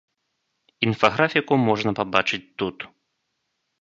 Інфаграфіку можна пабачыць тут.